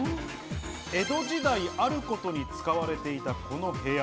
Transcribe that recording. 江戸時代、あることに使われていた、この部屋。